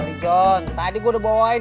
gopal ini belum selesai